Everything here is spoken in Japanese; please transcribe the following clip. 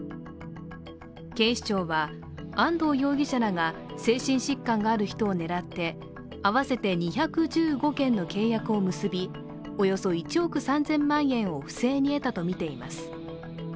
警視庁は、安藤容疑者らが精神疾患がある人を狙って合わせて２１５件の契約を結びおよそ１億３０００万円を不正に得たとみています。